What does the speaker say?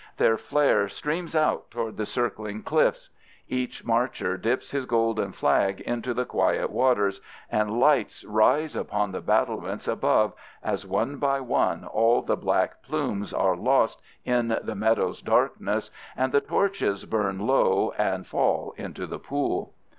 Their flare streams out toward the circling cliffs. Each marcher dips his silken flag into the quiet waters, and lights rise upon the battlements above as one by one all the black plumes are lost in the meadow's darkness and the torches burn low and fall into the pool.